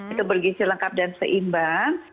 itu bergisi lengkap dan seimbang